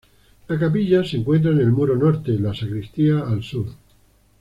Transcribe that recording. La capilla se encuentra en el muro norte y la sacristía al sur.